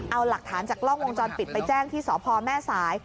เอาหลักฐานจากกล้องวงจรปิดไปแจ้งที่สพแม่สาย